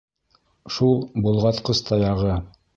Шул болғатҡыс таяғы.